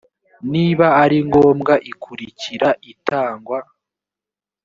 niba ari ngombwa ikurikira itangwa